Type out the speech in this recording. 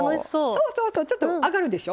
そうそうちょっと上がるでしょ。